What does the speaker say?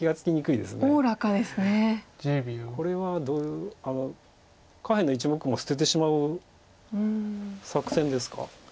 これは下辺の１目も捨ててしまう作戦ですか。